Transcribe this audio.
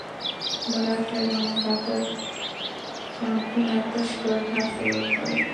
ملا صاحب او مسافرو خانکونه تش کړل هر څه یې وخوړل.